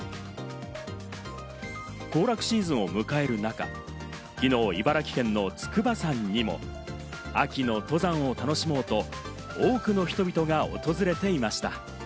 行楽シーズンを迎える中、きのう茨城県の筑波山にも秋の登山を楽しもうと多くの人々が訪れていました。